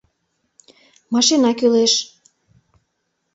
Машина кӱлеш